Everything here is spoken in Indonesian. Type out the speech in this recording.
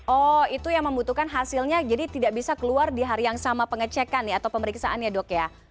oh itu yang membutuhkan hasilnya jadi tidak bisa keluar di hari yang sama pengecekan atau pemeriksaan ya dok ya